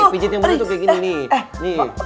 pijit yang bener tuh kayak gini